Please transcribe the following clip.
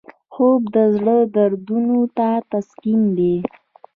خوب د زړه دردونو ته تسکین دی